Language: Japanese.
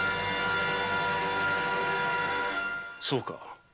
そうか。